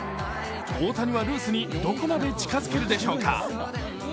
大谷はルースにどこまで近づけるでしょうか。